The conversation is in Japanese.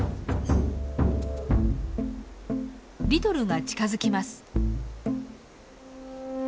リトルが近づきます。